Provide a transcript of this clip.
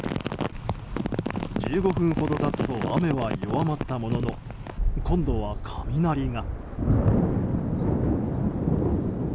１５分経つと雨は弱まったものの今度は雷が。